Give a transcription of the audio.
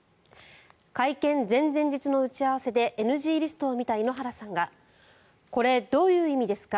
会見前々日の打ち合わせでＮＧリストを見た井ノ原さんがこれ、どういう意味ですか？